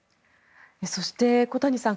そして、小谷さん